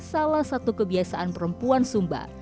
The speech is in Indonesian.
salah satu kebiasaan perempuan sumba